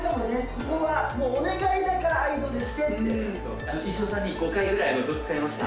「ここはお願いだからアイドルして！」って衣装さんに５回ぐらいどつかれました